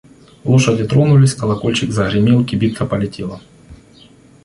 Лошади тронулись, колокольчик загремел, кибитка полетела…